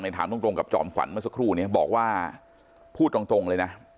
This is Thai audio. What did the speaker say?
ถามตรงกับจอมขวัญเมื่อสักครู่นี้บอกว่าพูดตรงเลยนะ